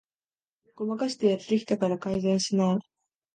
ごまかしてやってきたから改善しない